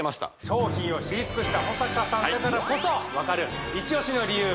商品を知り尽くした保阪さんだからこそ分かるイチオシの理由